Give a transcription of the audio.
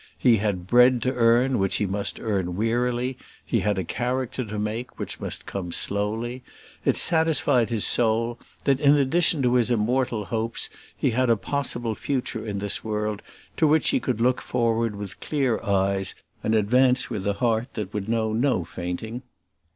He had bread to earn, which he must earn wearily; he had a character to make, which must come slowly; it satisfied his soul that, in addition to his immortal hopes, he had a possible future in this world to which he could look forward with clear eyes, and advance with a heart that would know no fainting.